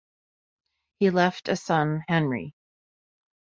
He left a son Henry.